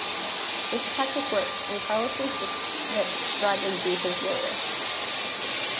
This tactic works and Carlos insists that Bradley be his lawyer.